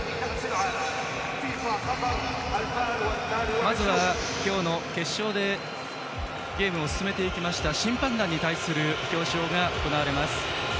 まずは今日の決勝でゲームを進めていきました審判団に対する表彰です。